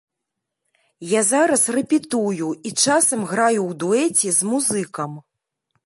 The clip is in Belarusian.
Я зараз рэпетую і часам граю ў дуэце з музыкам.